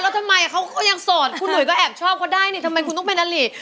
แล้วทำไมเขาก็ยังโสดคุณหนุ่ยก็แอบชอบเขาได้นี่ทำไมคุณต้องเป็นอลิ